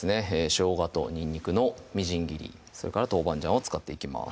しょうがとにんにくのみじん切りそれから豆板醤を使っていきます